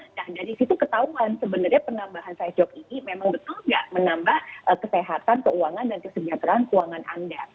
nah dari situ ketahuan sebenarnya penambahan side job ini memang betul nggak menambah kesehatan keuangan dan kesejahteraan keuangan anda